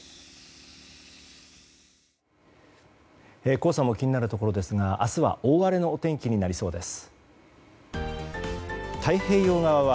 黄砂も気になるところですが明日は大荒れのお天気になりそうです。